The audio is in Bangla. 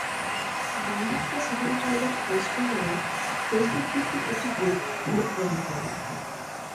বারহাট্টা সিকেপি পাইলট হাইস্কুল নামের ফেসবুকভিত্তিক একটি গ্রুপ ভোট গ্রহণ করে।